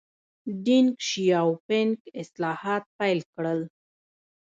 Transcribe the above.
ډینګ شیاؤ پینګ اصلاحات پیل کړل.